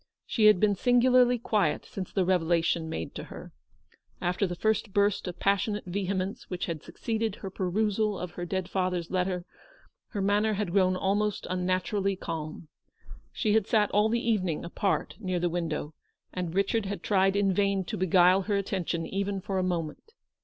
She had been singularly quiet since the revelation made to her. After the first burst of passionate vehemence which had succeeded her perusal of her dead father's letter, her manner had grown almost unnaturally calm. She had sat all the evening apart near the window, and Richard had tried in vain to beguile her attention even for a moment.